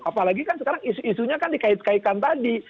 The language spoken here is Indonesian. apalagi kan sekarang isu isunya kan dikait kaitkan tadi